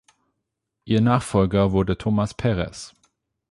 Ihr Nachfolger wurde Thomas Perez.